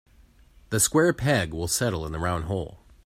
The square peg will settle in the round hole.